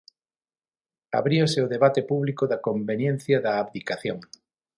Abríase o debate público da conveniencia da abdicación.